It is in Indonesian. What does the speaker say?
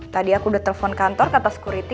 tadi aku udah telpon kantor kata security